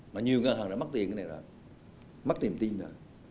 mà nhiều ngân hàng đã mất tiền cái này rồi mất tiền tiền rồi